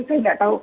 saya tidak tahu